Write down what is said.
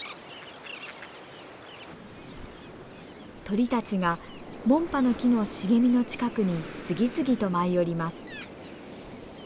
鳥たちがモンパノキの茂みの近くに次々と舞い降ります。